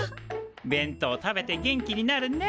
弁当食べて元気になるね。